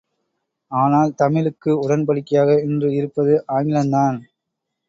ஆனால் தமிழுக்கு உடனடிப்பகையாக இன்று இருப்பது ஆங்கிலந்தான்!